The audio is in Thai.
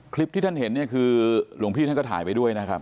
คลิปที่ท่านเห็นเนี่ยคือหลวงพี่ท่านก็ถ่ายไปด้วยนะครับ